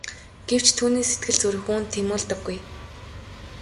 Гэвч түүний сэтгэл зүрх үүнд тэмүүлдэггүй.